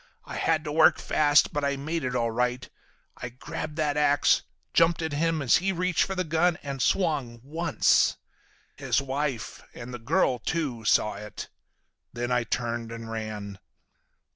I had to work fast but I made it all right. I grabbed that ax, jumped at him as he reached for the gun, and swung—once. His wife, and the girl too, saw it. Then I turned and ran."